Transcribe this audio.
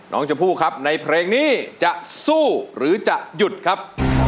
น้องชมพู่ครับในเพลงนี้จะสู้หรือจะหยุดครับ